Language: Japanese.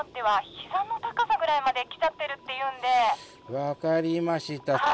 分かりました。